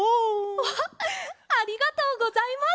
アハッありがとうございます！